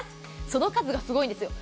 その数がすごいです。